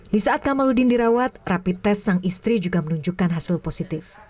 di saat kamaludin dirawat rapid test sang istri juga menunjukkan hasil positif